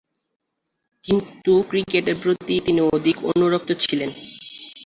কিন্তু ক্রিকেটের প্রতিই তিনি অধিক অনুরক্ত ছিলেন।